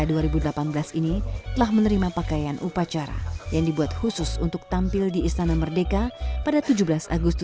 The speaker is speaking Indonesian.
calon anggota pas kiberaika dua ribu delapan belas ini telah menerima pakaian upacara yang dibuat khusus untuk tampil di istana merdeka pada tujuh belas agustus dua ribu delapan belas